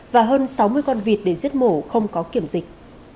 và hơn sáu mươi con vịt để giết mổ không có kiểm dịch